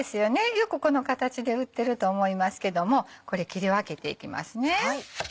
よくこの形で売ってると思いますけどもこれ切り分けていきますね。